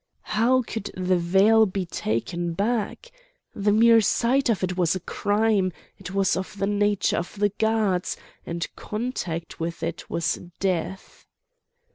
How could the veil be taken back? The mere sight of it was a crime; it was of the nature of the gods, and contact with it was death.